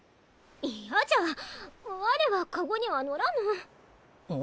イヤじゃ我は駕籠には乗らぬ。